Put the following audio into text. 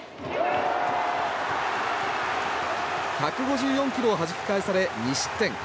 １５４キロをはじき返され２失点。